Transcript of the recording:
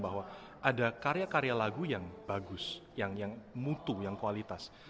bahwa ada karya karya lagu yang bagus yang mutu yang kualitas